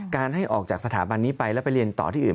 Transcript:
ให้ออกจากสถาบันนี้ไปแล้วไปเรียนต่อที่อื่น